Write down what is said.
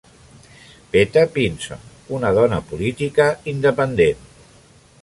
Peta Pinson, una dona política independent.